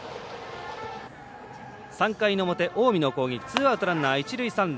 ３回の表近江の攻撃ツーアウト、ランナー、一塁三塁。